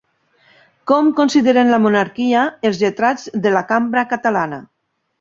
Com consideren la monarquia els lletrats de la cambra catalana?